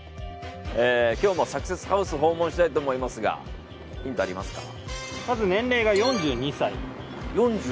今日もサクセスハウス訪問したいと思いますがまず年齢が４２歳。